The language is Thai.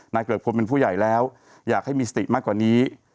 เกริกพลเป็นผู้ใหญ่แล้วอยากให้มีสติมากกว่านี้